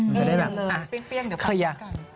มันจะได้แบบคลียะ